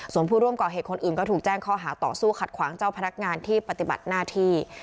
ส่วนผู้ร่วมก่อเหตุคนอื่นก็ถูกแจ้งข้อหาต่อสู้ขัดขวางเจ้าพนักงานที่ปฏิบัติหน้าที่